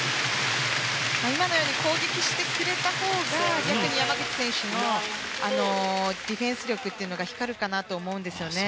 今のように攻撃してくれたほうが逆に山口選手のディフェンス力が光るかなと思います。